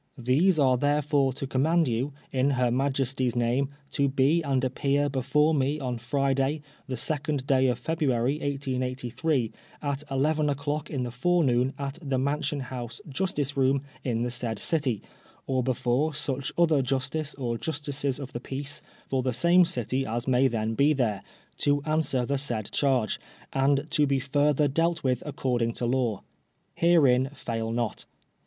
These are therefore to command you, in her Majesty's name, to be and appear before me on Friday, the second day of February, 1883^ at eleven of the clock in the forenoon, at the Mansion House Justice Boom, in the said City, or before such other Justice or Justices of the Peace for the same City as may then be there, to answer to the said charge, and to be further dealt with according to law. Herein fail not.